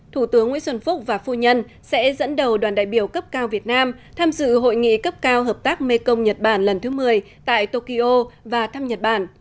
thủ tướng nguyễn xuân phúc và phu nhân sẽ dẫn đầu đoàn đại biểu cấp cao việt nam tham dự hội nghị cấp cao hợp tác mekong nhật bản lần thứ một mươi tại tokyo và thăm nhật bản